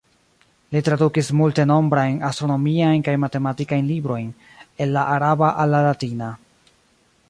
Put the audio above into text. Li tradukis multenombrajn astronomiajn kaj matematikajn librojn el la araba al la latina.